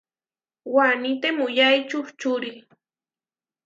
Waní temuyái čuhčuri.